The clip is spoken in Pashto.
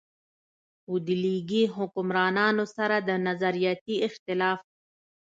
خو د ليګي حکمرانانو سره د نظرياتي اختلاف